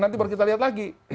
nanti baru kita lihat lagi